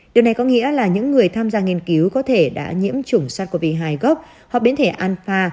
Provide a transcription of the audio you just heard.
điều này có nghĩa là những người tham gia nghiên cứu có thể đã nhiễm chủng sars cov hai gốc hoặc biến thể an pha